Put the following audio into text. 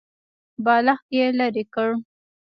بالښت يې ليرې کړ.